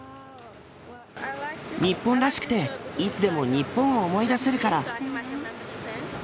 日本らしくて、いつでも日本を思い出せるから。